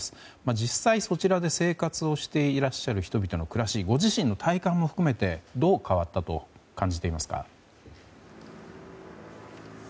実際、そちらで生活していらっしゃる人々の暮らしご自身の体感も含めてどう変わったと感じていますか。